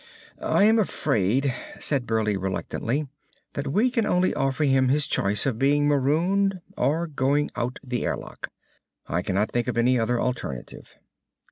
"I am afraid," said Burleigh reluctantly, "that we can only offer him his choice of being marooned or going out the airlock. I cannot think of any other alternative."